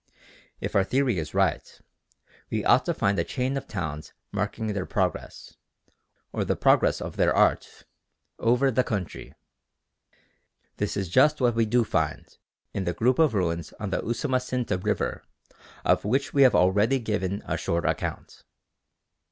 If our theory is right, we ought to find a chain of towns marking their progress, or the progress of their art, over the country. This is just what we do find in the group of ruins on the Usumacinta River of which we have already given a short account.